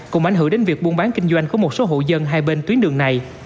cùng ảnh hưởng đến việc buôn bán kinh doanh của một số hộ dân hai bên tuyến đường này